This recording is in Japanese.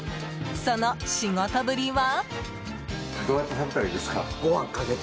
その仕事ぶりは？